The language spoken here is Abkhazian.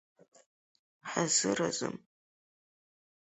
Ҳазыразым!